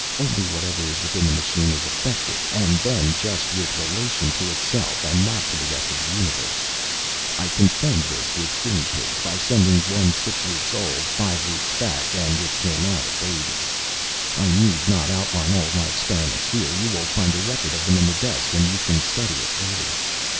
Only whatever is within the machine is affected, and then just with relation to itself and not to the rest of the Universe. "I confirmed this with guinea pigs by sending one six weeks old five weeks back and it came out a baby. "I need not outline all my experiments here. You will find a record of them in the desk and you can study it later.